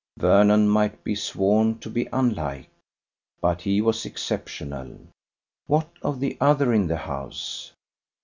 Vernon might be sworn to be unlike. But he was exceptional. What of the other in the house?